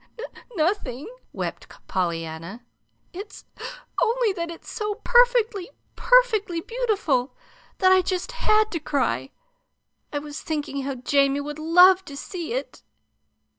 "N n nothing," wept Pollyanna. "It's only that it's so perfectly, perfectly beautiful that I just had to cry. I was thinking how Jamie would love to see it."